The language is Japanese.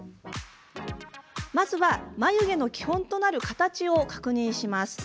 まず、眉毛の基本となる形を確認します。